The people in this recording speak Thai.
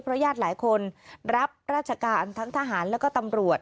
เพราะญาติหลายคนรับราชการทั้งทหารและตำรวจ